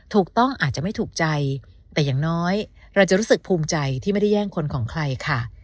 ถูกต้องอาจจะไม่ถูกใจแต่อย่างน้อยเราจะรู้สึกภูมิใจที่ไม่ได้แย่งคนของใครค่ะ